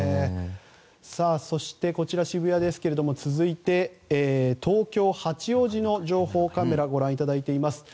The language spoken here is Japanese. そしてこちらは渋谷ですが続いて東京・八王子の情報カメラご覧いただいています。